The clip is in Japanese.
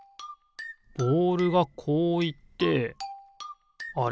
ボールがこういってあれ？